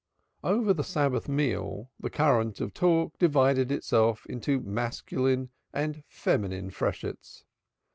Over the Sabbath meal the current of talk divided itself into masculine and feminine freshets.